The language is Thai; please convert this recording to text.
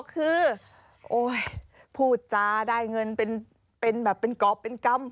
๒๖คือโอ๊ยพูดจ้าได้เงินเป็นกรอบเป็นกรรม